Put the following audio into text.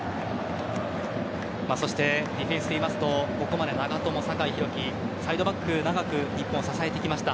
ディフェンスで言いますとここまで長友、酒井宏樹サイドバック長く日本を支えてきました。